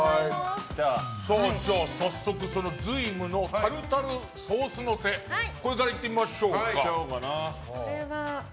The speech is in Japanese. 早速瑞夢のタルタルソースのせからいただいてみましょうか。